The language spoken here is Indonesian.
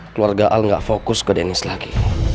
keluarga al gak fokus ke denny selagi